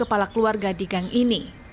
kepala keluarga di gang ini